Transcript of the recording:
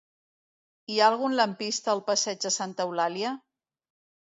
Hi ha algun lampista al passeig de Santa Eulàlia?